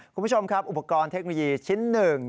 คุณผู้ชมครับอุปกรณ์เทคโนโลยีชิ้นหนึ่ง